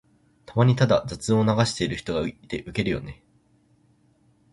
たまにただ雑音を流してる人がいてウケるよね。